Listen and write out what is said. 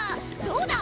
どうだ！